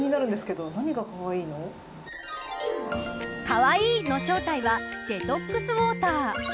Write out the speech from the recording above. かわいいの正体はデトックスウォーター。